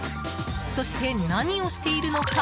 そして、何をしているのか？